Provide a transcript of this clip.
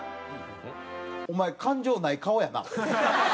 お前感情ない顔やな。